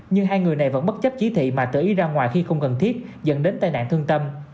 nhưng hai người này vẫn bất chấp chỉ thị mà tự ý ra ngoài khi không cần thiết dẫn đến tai nạn thương tâm